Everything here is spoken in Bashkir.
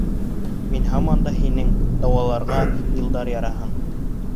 Мин һаман да һинең Дауаларға йылдар яраһын...